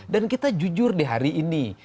dan kita jujur di hari ini